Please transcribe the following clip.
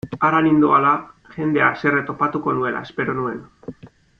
Hara nindoala, jendea haserre topatuko nuela espero nuen.